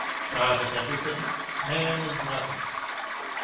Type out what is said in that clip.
God is everything, man is nothing.